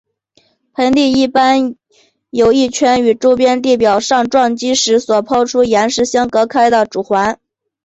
盆地一般有一圈与周边地表上撞击时所抛出岩石相隔开的主环。